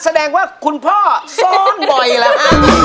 แสดงว่าคุณพ่อซ้อนบ่อยแล้วฮะ